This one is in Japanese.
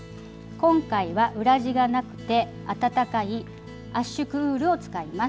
今回は裏地がなくて暖かい圧縮ウールを使います。